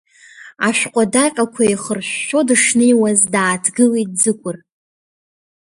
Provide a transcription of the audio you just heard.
Ашәҟәы адаҟьақәа еихыршәшәо дышнеиуаз, дааҭгылеит Ӡыкәыр…